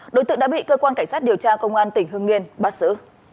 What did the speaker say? đối tượng đã bị cơ quan cảnh sát điều tra công an tỉnh hương yên bắt xử